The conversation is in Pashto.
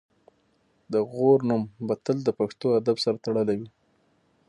د غور نوم به تل د پښتو ادب سره تړلی وي